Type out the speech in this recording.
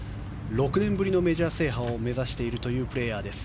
６年ぶりのメジャー制覇を目指しているプレーヤーです。